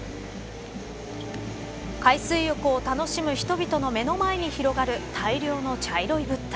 海水浴を楽しむ人々の目の前に広がる大量の茶色い物体